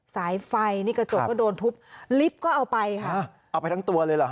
สายไฟนี่กระจกก็โดนทุบลิฟต์ก็เอาไปค่ะเอาไปทั้งตัวเลยเหรอ